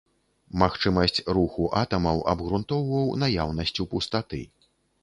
Магчымасць руху атамаў абгрунтоўваў наяўнасцю пустаты.